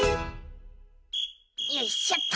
よいしょっと。